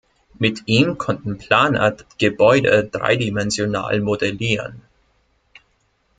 Mit ihm konnten Planer Gebäude dreidimensional modellieren.